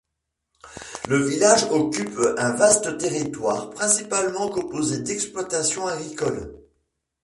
Le village occupe un vaste territoire, principalement composé d’exploitations agricoles.